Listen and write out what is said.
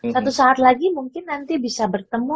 satu saat lagi mungkin nanti bisa bertemu